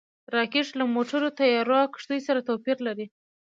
راکټ له موټرو، طیارو او کښتیو سره توپیر لري